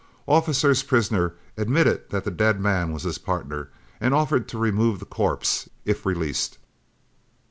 Officer's prisoner admitted that the dead man was his pardner, and offered to remove the corpse if released.